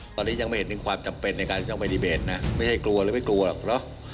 ตอนนี้ยังไม่เห็นถึงความจำเป็นในการที่ต้องไปดีเบตนะไม่ใช่กลัวหรือไม่กลัวหรอกเนอะ